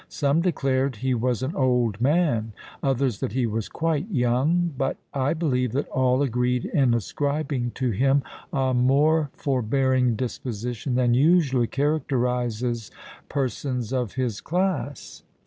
Some declared he was an old man—others that he was quite young; but I believe that all agreed in ascribing to him a more forbearing disposition than usually characterises persons of his class."